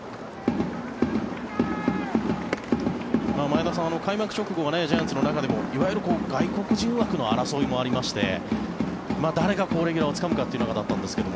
前田さん、開幕直後はジャイアンツの中でもいわゆる外国人枠の争いもありまして誰がレギュラーをつかむかだったんですが。